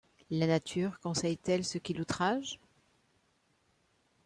La nature conseille-t-elle ce qui l'outrage?